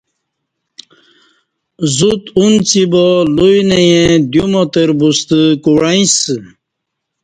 زوت انڅیبا لوی نہ ییں دیوماتربوستہ کو وعیں سہ